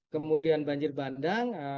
kemudian banjir bandang